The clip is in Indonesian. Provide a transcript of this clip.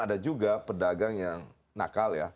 ada juga pedagang yang nakal ya